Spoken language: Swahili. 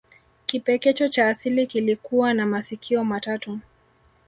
Kipekecho cha asili kilikuwa na masikio matatu